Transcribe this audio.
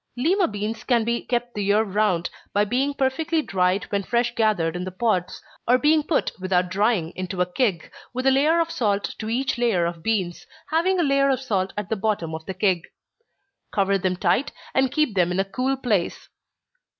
Lima beans can be kept the year round, by being perfectly dried when fresh gathered in the pods, or being put without drying into a keg, with a layer of salt to each layer of beans, having a layer of salt at the bottom of the keg. Cover them tight, and keep them in a cool place.